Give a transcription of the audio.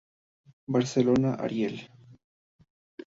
Barcelona, Ariel".